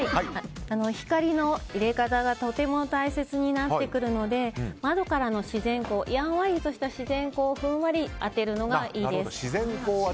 光の入れ方がとても大切になってくるので窓からの自然光やんわりとした自然光をふんわりと当てるのがいいです。